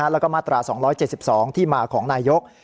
แล้วก็มาตรา๒๗๒ที่มาของนายก